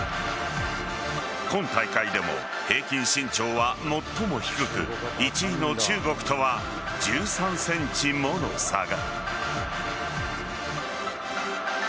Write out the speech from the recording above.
今大会でも平均身長は最も低く１位の中国とは１３ｃｍもの差が。